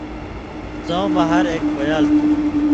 څؤں مہ ہر اک پیالوۡ تُھو